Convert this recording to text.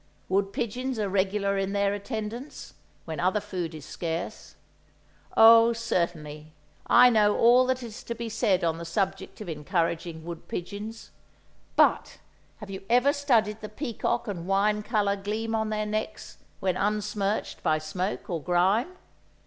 Wood pigeons are regular in their attendance, when other food is scarce. Oh, certainly, I know all that is to be said on the subject of encouraging wood pigeons! But—have you ever studied the peacock and wine colour gleam on their necks, when unsmirched by smoke or grime?